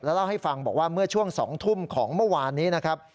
เล่าให้ฟังบอกว่าเมื่อช่วง๒ทุ่มของเมื่อวานนี้นะครับ